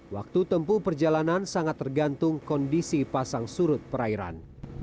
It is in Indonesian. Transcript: waktu tempuh perjalanan sangat tergantung kondisi pasang surut perairan